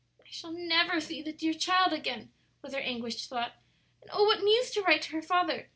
"I shall never see the dear child again!" was her anguished thought; "and oh, what news to write to her father!